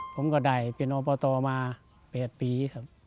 ผมก็ได้เป็นอบตมา๘ปีครับ